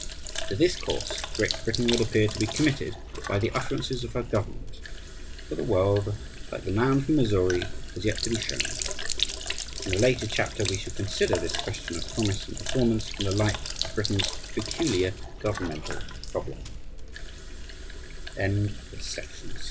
To this course Great Britain would appear to be committed by the utterances for her government. But the world, like the man from Missouri, has yet to be "shown." In a later chapter we shall consider this question of promise and performance in the light of Britain's peculiar gove